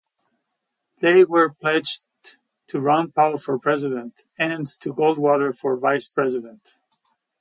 They were pledged to Ron Paul for President and to Goldwater for Vice President.